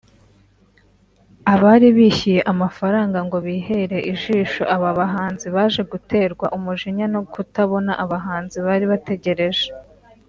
Abari bishyuye amafaranga ngo bihere ijisho aba bahanzi baje guterwa umujinya no kutabona abahanzi bari bategereje